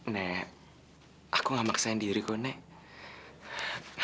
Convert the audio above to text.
nek aku gak maksain diri kok nek